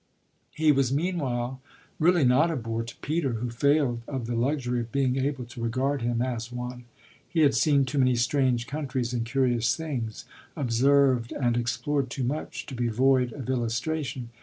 He was meanwhile really not a bore to Peter, who failed of the luxury of being able to regard him as one. He had seen too many strange countries and curious things, observed and explored too much, to be void of illustration.